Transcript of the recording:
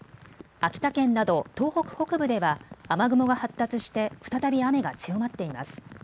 秋田県など東北北部では雨雲が発達して再び雨が強まっています。